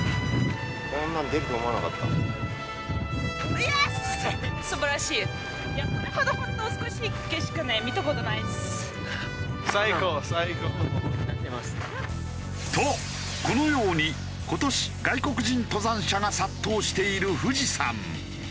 イエス！とこのように今年外国人登山者が殺到している富士山。